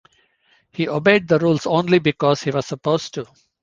He obeyed the rules only because he was supposed to.